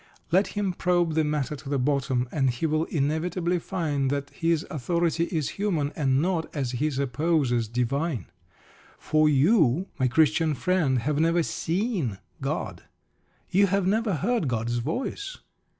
Let him probe the matter to the bottom, and he will inevitably find that his authority is human, and not, as he supposes, divine. For you, my Christian friend, have never seen God. You have never heard God's voice.